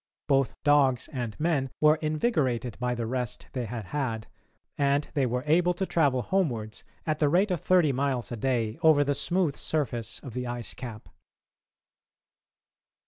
Both dogs and men were invigorated by the rest they had had, and they were able to travel homewards at the rate of thirty miles a day over the smooth surface of the ice cap.